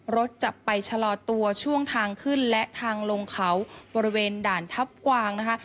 รถจะไปชะลอตัวช่วงทางขึ้นและทางลงเขาบริเวณด่านทัพกวางนะคะ